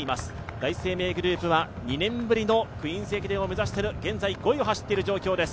第一生命グループは２年ぶりの「クイーンズ駅伝」を目指して５位を走っている状況です。